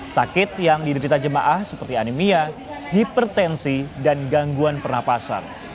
sakit yang diderita jemaah seperti anemia hipertensi dan gangguan pernapasan